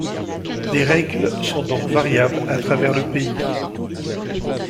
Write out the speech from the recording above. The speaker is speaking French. Les règles sont donc variables à travers le pays.